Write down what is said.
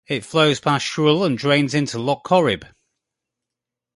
It flows past Shrule, and drains into Lough Corrib.